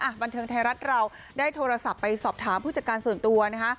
บันเทิงไทยรัฐเราได้โทรศัพท์ไปสอบถามผู้จัดการส่วนตัวนะคะ